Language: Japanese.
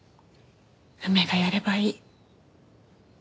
梅がやればいい。